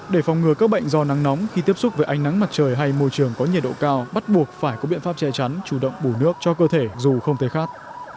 để phòng ngừa các bệnh do nắng nóng khi tiếp xúc với ánh nắng mặt trời hay môi trường có nhiệt độ cao bắt buộc phải có biện pháp che chắn chủ động bù nước cho cơ thể dù không thể khát